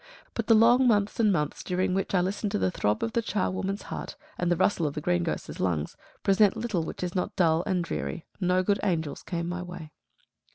But the long months and months during which I listened to the throb of the charwoman's heart and the rustle of the greengrocer's lungs, present little which is not dull and dreary. No good angels came my way.